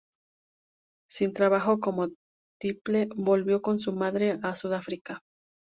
Sin trabajo como tiple, volvió con su madre a Sudáfrica.